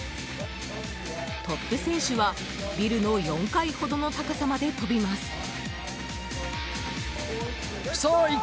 トップ選手は、ビルの４階ほどの高さまで跳びます。